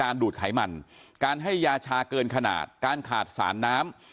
ดูดไขมันการให้ยาชาเกินขนาดการขาดสารน้ำ